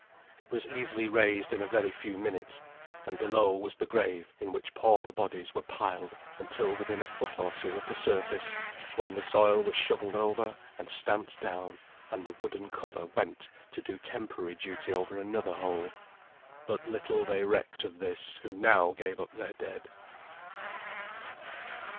It was easily raised in a very few minutes, and below was the grave in which pauper bodies were piled until within a foot or two of the surface; when the soil was shovelled over, and stamped down, and the wooden cover went to do temporary duty over another hole. But little they recked of this who now gave up their dead.